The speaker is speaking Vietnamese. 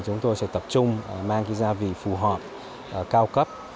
chúng tôi sẽ tập trung mang gia vị phù hợp cao cấp